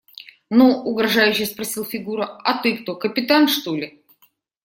– Ну, – угрожающе спросил Фигура, – а ты кто – капитан, что ли?